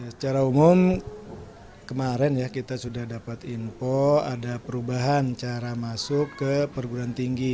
secara umum kemarin ya kita sudah dapat info ada perubahan cara masuk ke perguruan tinggi